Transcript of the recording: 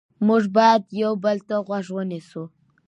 موږ باید یو بل ته غوږ ونیسو